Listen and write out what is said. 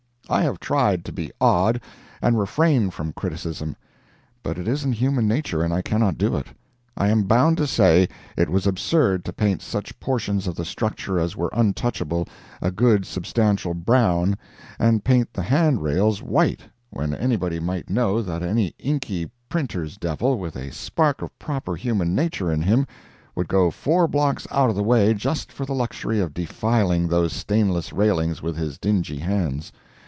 I have tried to be odd, and refrain from criticism, but it isn't human nature and I cannot do it. I am bound to say it was absurd to paint such portions of the structure as were untouchable a good substantial brown, and paint the hand rails white, when anybody might know that any inky printer's devil, with a spark of proper human nature in him, would go four blocks out of the way just for the luxury of defiling those stainless railings with his dingy hands.